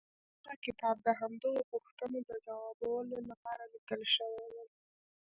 دغه کتاب د همدغو پوښتنو د ځوابولو لپاره ليکل شوی دی.